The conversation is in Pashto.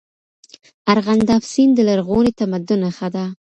ارغنداب سیند د لرغوني تمدن نښه ده.